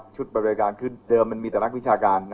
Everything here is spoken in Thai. ชุดไปบริการคือเดิมมันมีแต่ลักษณ์วิชาการ